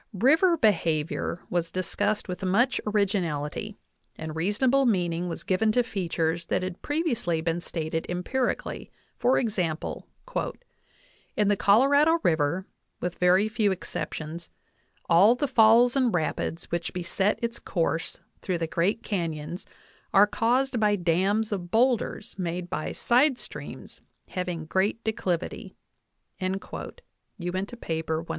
River be havior was discussed with much originality, and reasonable meaning was given to features that had previously been stated empirically; for example: "In the Colorado river, with very few exceptions, all the falls and rapids which beset its course through the great canons are caused by dams of boulders made by side streams having great declivity" (Uinta, 193).